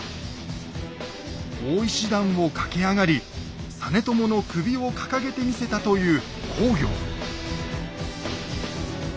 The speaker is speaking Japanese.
大石段を駆け上がり実朝の首を掲げてみせたという公暁。